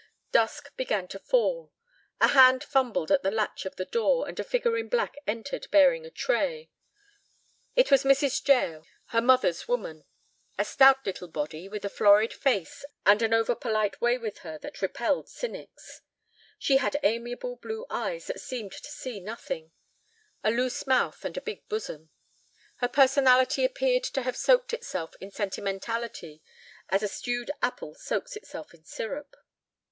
Dusk began to fall. A hand fumbled at the latch of the door, and a figure in black entered bearing a tray. It was Mrs. Jael, her mother's woman, a stout little body with a florid face and an overpolite way with her that repelled cynics. She had amiable blue eyes that seemed to see nothing, a loose mouth, and a big bosom. Her personality appeared to have soaked itself in sentimentality as a stewed apple soaks itself in syrup.